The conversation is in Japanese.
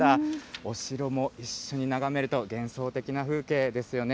お城も一緒に眺めると、幻想的な風景ですよね。